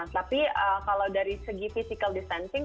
tapi kalau dari segi physical distancing